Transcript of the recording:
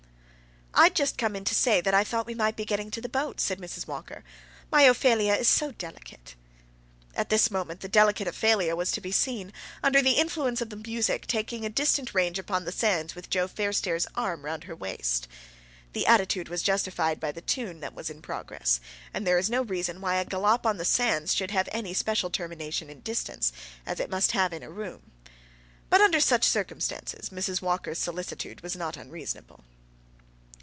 "I'd just come in to say that I thought we might be getting to the boats," said Mrs. Walker. "My Ophelia is so delicate." At this moment the delicate Ophelia was to be seen, under the influence of the music, taking a distant range upon the sands with Joe Fairstairs' arm round her waist. The attitude was justified by the tune that was in progress, and there is no reason why a galop on the sands should have any special termination in distance, as it must have in a room. But, under such circumstances, Mrs. Walker's solicitude was not unreasonable.